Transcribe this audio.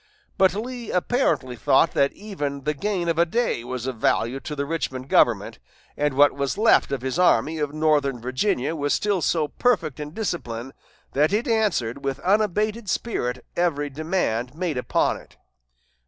But Lee apparently thought that even the gain of a day was of value to the Richmond government, and what was left of his Army of Northern Virginia was still so perfect in discipline that it answered with unabated spirit every demand made upon it.